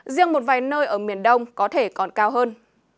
riêng một vài nơi ở miền đông có thể còn cao hơn